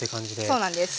そうなんです。